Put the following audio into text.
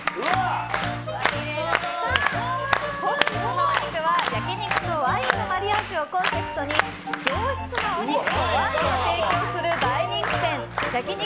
本日のお肉は焼き肉とワインのマリアージュをコンセプトに上質なお肉とワインを提供する大人気店焼肉